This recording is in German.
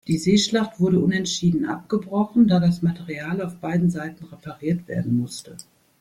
Die Seeschlacht wurde unentschieden abgebrochen, da das Material auf beiden Seiten repariert werden musste.